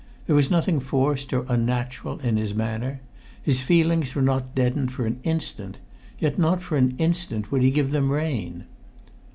There was nothing forced or unnatural in his manner; his feelings were not deadened for an instant, yet not for an instant would he give them rein.